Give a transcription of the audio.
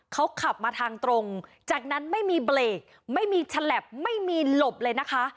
เขาขับมาทางตรงจากนั้นไม่มีเบรกไม่มีฉลับไม่มีหลบเลยนะคะ